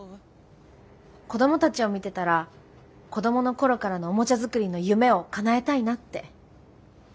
子どもたちを見てたら子どもの頃からのおもちゃ作りの夢をかなえたいなって。